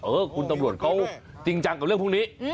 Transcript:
เออคุณตำรวจเขาจริงจังกับเรื่องพวกนี้